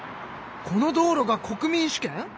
この道路が国民主権？